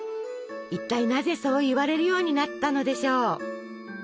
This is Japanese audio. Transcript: いったいなぜそう言われるようになったのでしょう？